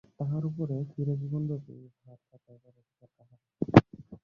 তাহার উপরে চিরজীবনব্যাপী এই ভার চাপাইবার অধিকার কাহার আছে!